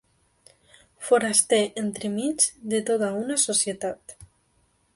Foraster entremig de tota una societat